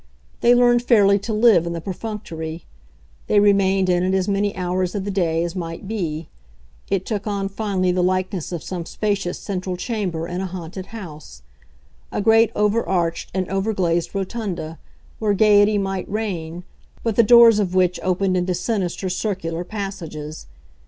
They learned fairly to live in the perfunctory; they remained in it as many hours of the day as might be; it took on finally the likeness of some spacious central chamber in a haunted house, a great overarched and overglazed rotunda, where gaiety might reign, but the doors of which opened into sinister circular passages.